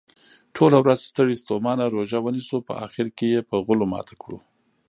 ټوله ورځ ستړي ستوماته روژه ونیسو په اخرکې یې په غولو ماته کړو.